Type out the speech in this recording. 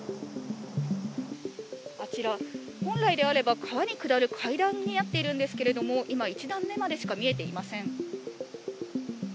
あちら、本来であれば川に下る階段になっているんですけれども、今、１段目までしか見えていません。